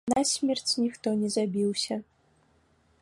Насмерць ніхто не забіўся.